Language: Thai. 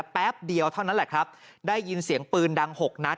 แป๊บเดียวเท่านั้นแหละครับได้ยินเสียงปืนดัง๖นัด